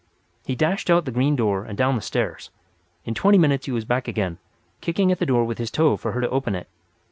He dashed out the green door and down the stairs. In twenty minutes he was back again, kicking at the door with his toe for her to open it.